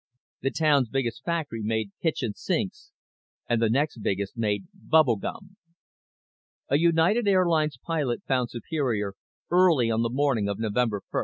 The town's biggest factory made kitchen sinks and the next biggest made bubble gum. A United Airlines pilot found Superior early on the morning of November 1.